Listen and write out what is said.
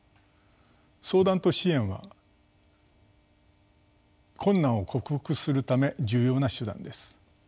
相談と支援は困難を克服するため重要な手段です。